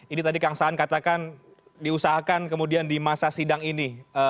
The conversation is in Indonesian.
ini tadi kang saan katakan diusahakan kemudian di masa sidang ini